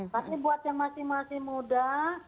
tapi buat yang masih masih muda